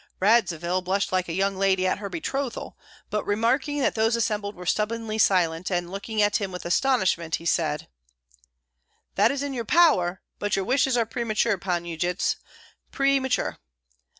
Radzivill blushed like a young lady at her betrothal, but remarking that those assembled were stubbornly silent and looking at him with astonishment, he said, "That is in your power; but your wishes are premature, Pan Yujits, premature."